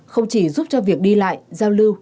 không chỉ giúp cho việc đi lại giao lưu